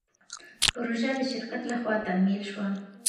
پروژه د شرکت له خوا تمویل شوه.